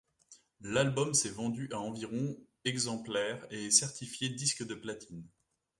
L'album s'est vendu à environ exemplaires et est certifié disque de platine.